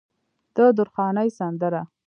د درخانۍ سندره